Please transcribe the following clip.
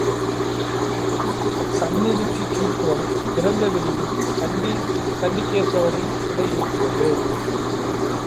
சந்நிதிக்குக் கீழ்புறம் திறந்த வெளியில் சண்டிகேஸ்வரியின் சிலை இருக்கிறது.